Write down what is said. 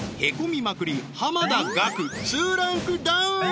まくり濱田岳２ランクダウン